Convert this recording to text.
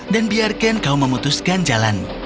dan biarkan kau memutuskan jalanmu